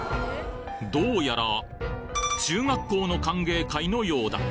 どうやら、中学校の歓迎会のようだ。